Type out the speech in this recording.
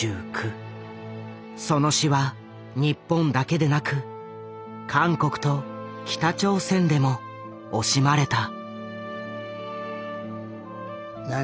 その死は日本だけでなく韓国と北朝鮮でも惜しまれた。